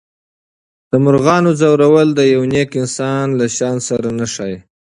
د مرغانو ځورول د یو نېک انسان له شان سره نه ښایي.